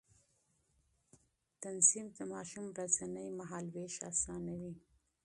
تنظيم د ماشوم ورځنی مهالوېش آسانوي.